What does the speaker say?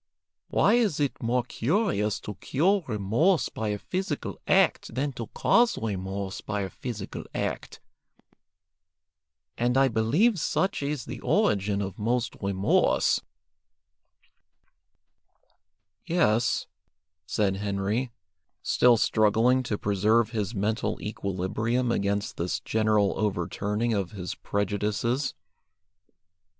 Why is it more curious to cure remorse by a physical act than to cause remorse by a physical act? And I believe such is the origin of most remorse." "Yes," said Henry, still struggling to preserve his mental equilibrium against this general overturning of his prejudices.